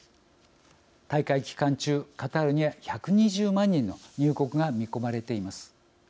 大会期間中、カタールには１２０万人の入国が見込まれています。